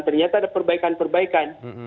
ternyata ada perbaikan perbaikan